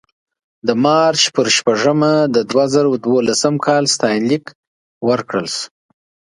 د مارچ په شپږمه د دوه زره دولسم کال ستاینلیک ورکړل شو.